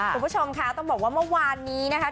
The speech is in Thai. คุณผู้ชมค่ะต้องบอกว่าเมื่อวานนี้นะคะ